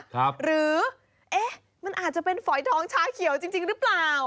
หรือเอ๊ะมันอาจจะเป็นฝอยทองชาเขียวจริงหรือเปล่า